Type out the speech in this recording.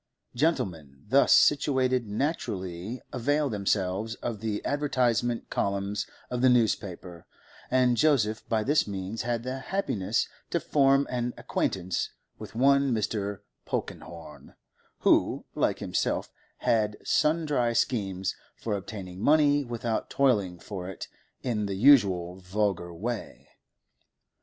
Gentlemen thus situated naturally avail themselves of the advertisement columns of the newspaper, and Joseph by this means had the happiness to form an acquaintance with one Mr. Polkenhorne, who, like himself, had sundry schemes for obtaining money without toiling for it in the usual vulgar way.